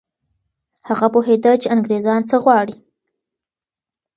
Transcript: هغه پوهېده چي انګریزان څه غواړي.